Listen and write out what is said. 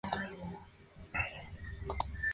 Son plantas acuáticas herbáceas.